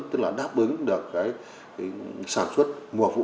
tức là đáp ứng được sản xuất mùa vụ